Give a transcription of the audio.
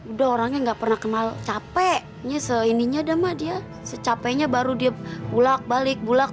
udah orangnya nggak pernah kenal capeknya seindinya damai dia secapeknya baru diep bulat balik bulat